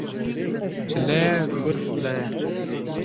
Çile ye, gur file ye